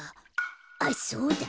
あっそうだ。